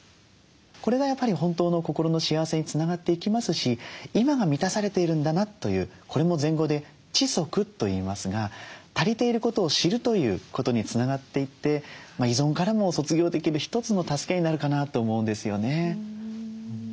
これがやっぱり本当の心の幸せにつながっていきますし今が満たされているんだなというこれも禅語で「知足」といいますが足りていることを知るということにつながっていって依存からも卒業できる一つの助けになるかなと思うんですよね。